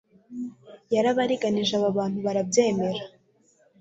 Yarabaringanije aba bantu barabyemera